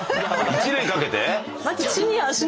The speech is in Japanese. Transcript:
１年かけて？